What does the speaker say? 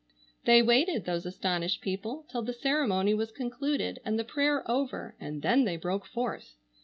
They waited, those astonished people, till the ceremony was concluded and the prayer over, and then they broke forth.